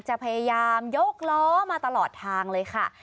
จะพยายามยกล้อมาตลอดทางเลยค่ะ